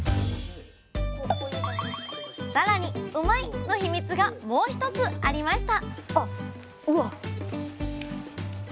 更にうまいッ！のヒミツがもう一つありました